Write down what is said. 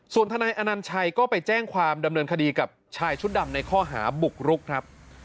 ส่วนทนายอนัญชัยก็ไปแจ้งความดำเนินคดีกับชายชุดดำในข้อหาบุกรุกครับ